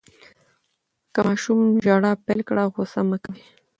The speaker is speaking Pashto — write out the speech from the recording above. که ماشوم ژړا پیل کړه، غوصه مه کوئ.